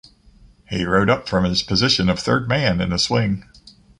He rode up from his position of third man in the swing.